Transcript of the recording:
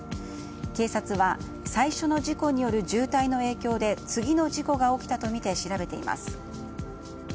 警察は、最初の事故による渋滞の影響で次の事故が起きたとみて調べています。